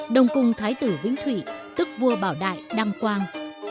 đồng cung thái tử vĩnh thủy tức vua bảo đại đăng quang